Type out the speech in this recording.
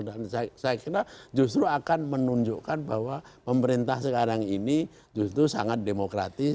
dan saya kira justru akan menunjukkan bahwa pemerintah sekarang ini justru sangat demokratis